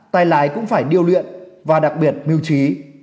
tài lái cũng phải điêu luyện và đặc biệt mưu trí